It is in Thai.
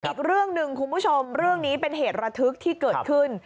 อีกเรื่องหนึ่งคุณผู้ชมเรื่องนี้เป็นเหตุระทึกที่เกิดขึ้น